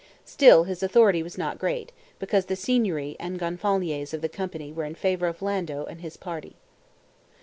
Still his authority was not great, because the Signory and Gonfaloniers of the companies were in favor of Lando and his party.